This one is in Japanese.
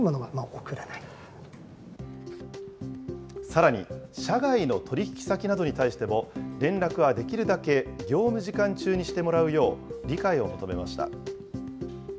さらに社外の取り引き先などに対しても、連絡はできるだけ業務時間中にしてもらうよう理解を求めました。